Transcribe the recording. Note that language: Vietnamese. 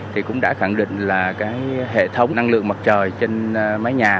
thì cũng đã khẳng định là cái hệ thống năng lượng mặt trời trên mái nhà